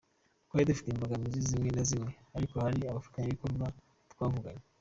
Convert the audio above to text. Twari dufite imbogamizi zimwe na zimwe ariko hari abafatanyabikorwa twavuganye.